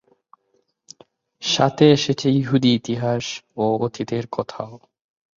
সাথে এসেছে ইহুদি ইতিহাস ও অতীতের কথাও।